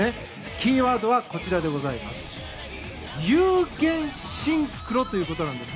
キーワードはこちら有言シンクロということです。